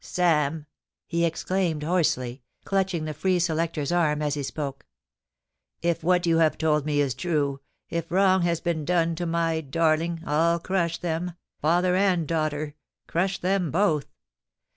* Sam !' he exclaimed hoarsely, clutching the free selector's arm as he spoke, * if what you have told me is true, if wrong has been done to my darling, 1*11 crush them, father and daughter — crush them both